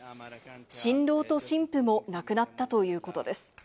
新郎と新婦も亡くなったということです。